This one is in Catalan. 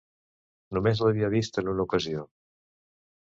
Només l'havia vist en una ocasió...